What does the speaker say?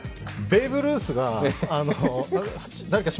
ベーブ・ルース。